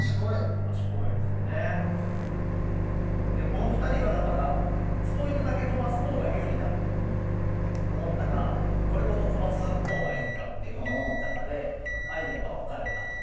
この２人がだからスポイトだけ飛ばすほうが有利だっていうふうに思ったかこれごと飛ばすほうがいいかっていうふうに思ったかでアイデアが分かれた。